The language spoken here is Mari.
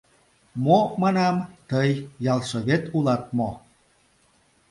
— Мо, манам, тый ялсовет улат мо?